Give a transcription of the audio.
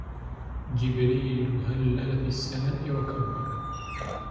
جبريل هلل في السماء وكبر